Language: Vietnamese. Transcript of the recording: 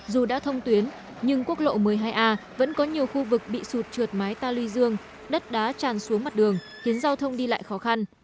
dù đã thông tuyến nhưng quốc lộ một mươi hai a vẫn có nhiều khu vực bị sụt trượt mái ta lưu dương đất đá tràn xuống mặt đường khiến giao thông đi lại khó khăn